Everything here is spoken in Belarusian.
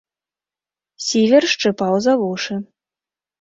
Сівер шчыпаў за вушы.